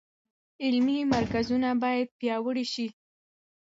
علمي مرکزونه باید پیاوړي شي.